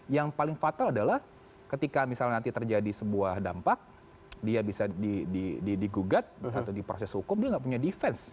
yang paling fatal adalah ketika misalnya nanti terjadi sebuah dampak dia bisa digugat atau diproses hukum dia nggak punya defense